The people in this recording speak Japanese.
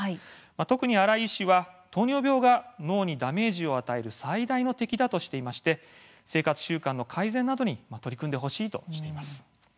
特に新井医師は糖尿病は脳にダメージを与える最大の敵だとしていまして生活習慣の改善などに取り組んでほしいとしています。